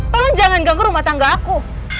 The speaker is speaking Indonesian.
tolong jangan ganggu rumah tangga aku